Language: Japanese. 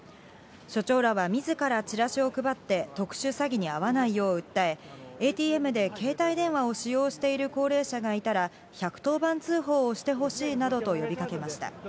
署長らはみずからチラシを配って特殊詐欺に遭わないよう訴え、ＡＴＭで携帯電話を使用している高齢者がいたら、１１０番通報をしてほしいなどと呼びかけました。